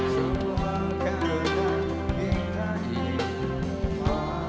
tuhan yang terhampa